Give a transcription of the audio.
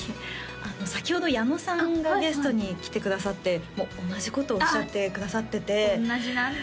先ほど矢野さんがゲストに来てくださって同じことをおっしゃってくださってて同じなんだ